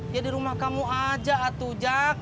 ya di rumah kamu aja atau jak